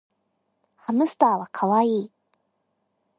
ハムスターはかわいい